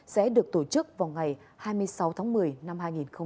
sẽ được tổ chức vào ngày hai mươi sáu tháng một mươi năm hai nghìn hai mươi